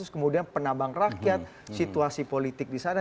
kemudian penambang rakyat situasi politik di sana